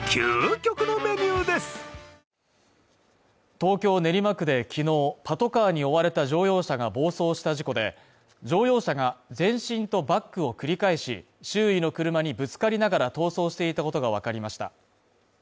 東京・練馬区で昨日パトカーに追われた乗用車が暴走した事故で、乗用車が前進とバックを繰り返し、周囲の車にぶつかりながら逃走していたことがわかりました。